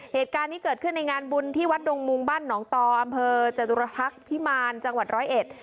เหตุการณ์นี้เกิดขึ้นในงานบุญที่วัดดงมุงบ้านหนองตออำเภอจตุรพักษ์พิมารจังหวัดร้อยเอ็ด